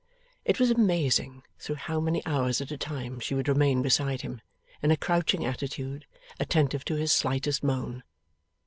It was amazing through how many hours at a time she would remain beside him, in a crouching attitude, attentive to his slightest moan.